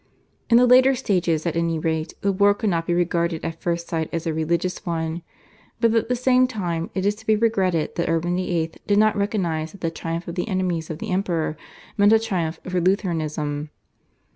In the later stages at any rate the war could not be regarded at first sight as a religious one, but at the same time it is to be regretted that Urban VIII. did not recognise that the triumph of the enemies of the Emperor meant a triumph for Lutheranism.